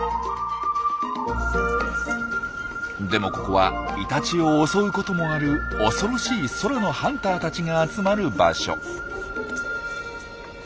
でもここはイタチを襲うこともある恐ろしい空のハンターたちが集まる場所。